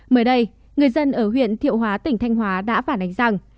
mới đây người dân ở huyện thiệu hóa tỉnh thanh hóa đã phản ánh rằng